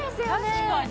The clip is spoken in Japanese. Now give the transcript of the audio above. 確かに。